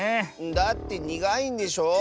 だってにがいんでしょ？